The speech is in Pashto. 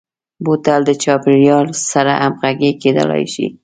بوتل د چاپیریال سره همغږي کېدلای شي.